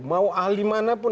mau ahli mana pun